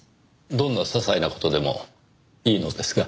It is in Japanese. どんな些細な事でもいいのですが。